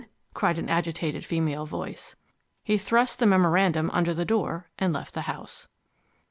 cried an agitated female voice. He thrust the memorandum under the door, and left the house.